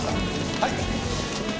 はい。